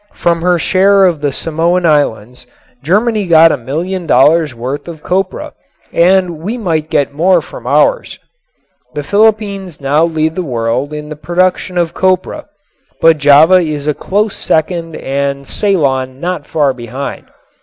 From her share of the Samoan Islands Germany got a million dollars' worth of copra and we might get more from ours. The Philippines now lead the world in the production of copra, but Java is a close second and Ceylon not far behind.